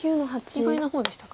意外な方でしたか？